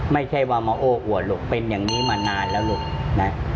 ไม่ใช่ว่ามาโอ้อวดลูกเป็นอย่างนี้มานานแล้วลูกนะ